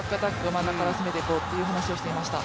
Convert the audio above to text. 真ん中から攻めていこうという話をしていました。